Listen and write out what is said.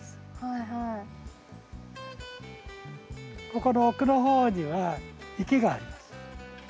ここの奥の方には池があります。